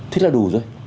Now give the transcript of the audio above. thì là đủ rồi